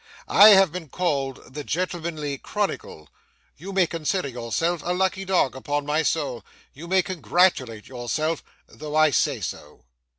I have been called the gentlemanly chronicle. You may consider yourself a lucky dog; upon my soul, you may congratulate yourself, though I say so.